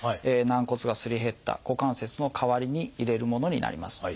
軟骨がすり減った股関節の代わりに入れるものになります。